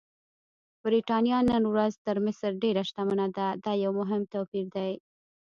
برېټانیا نن ورځ تر مصر ډېره شتمنه ده، دا یو مهم توپیر دی.